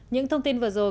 những thông tin vừa rồi